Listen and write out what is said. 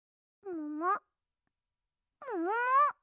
ももも！？